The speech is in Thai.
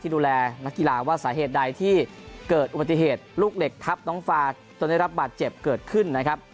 ดูแลนักกีฬาว่าสาเหตุใดที่เกิดอุบัติเหตุลูกเหล็กทับน้องฟาจนได้รับบาดเจ็บเกิดขึ้นนะครับ